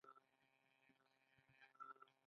د ژبې د سوزش لپاره باید څه شی وڅښم؟